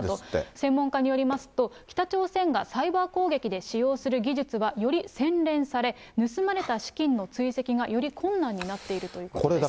専門家によりますと、北朝鮮がサイバー攻撃で使用する技術は、より洗練され、盗まれた資金の追跡がより困難になっているということです。